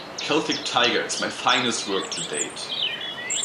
"Celtic Tiger" is my finest work to date.